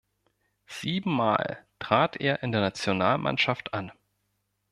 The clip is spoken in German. Siebenmal trat er in der Nationalmannschaft an.